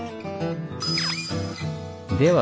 では